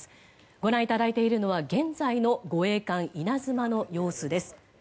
ご覧いただいているのは現在の護衛艦「いなづま」の様子です。